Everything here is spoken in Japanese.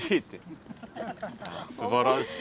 すばらしい。